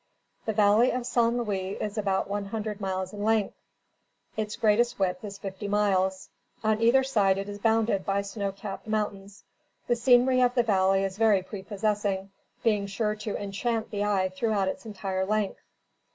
The Valley of San Luis is about one hundred miles in length. Its greatest width is fifty miles. On either side, it is bounded by snow capped mountains. The scenery of the valley is very prepossessing, being sure to enchant the eye throughout its entire length.